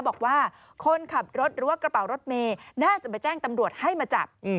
บอกว่าคนขับรถหรือว่ากระเป๋ารถเมย์น่าจะไปแจ้งตำรวจให้มาจับ